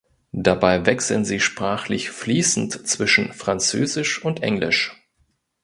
Dabei wechseln sie sprachlich fließend zwischen Französisch und Englisch.